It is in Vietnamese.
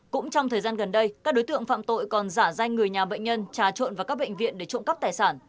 cũng trong thời gian gần đây các đối tượng phạm tội còn giả danh người nhà bệnh nhân trà trộn vào các bệnh viện để trộm cắp tài sản